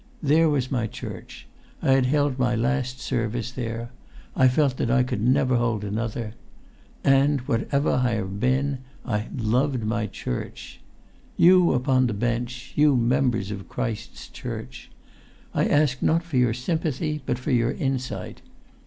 ... There was my church. I had held my last service there. I felt that I could never hold another. And, whatever I had been, I loved my church! You upon the bench ... you Members of Christ's Church ... I ask not for your sympathy but for your insight.